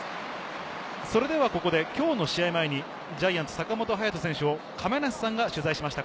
それではここできょうの試合前にジャイアンツ・坂本勇人選手を亀梨さんが取材しています。